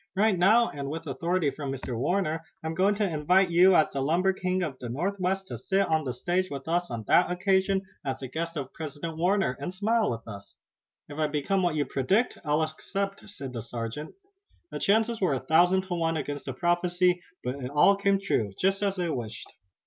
Right now, and with authority from Mr. Warner, I'm going to invite you as the lumber king of the Northwest to sit on the stage with us on that occasion, as the guest of President Warner, and smile with us." "If I become what you predict I'll accept," said the sergeant. The chances were a thousand to one against the prophecy, but it all came true, just as they wished.